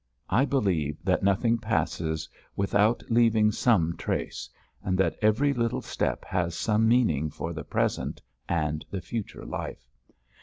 I believe that nothing passes without leaving some trace, and that every little step has some meaning for the present and the future life.